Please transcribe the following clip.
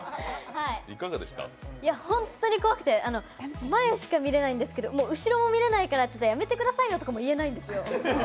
ホントに怖くて、前しか見れないんですけどもう後ろも見えないからやめてくださいよも言えないんですよ。